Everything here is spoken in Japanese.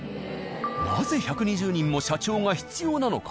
なぜ１２０人も社長が必要なのか。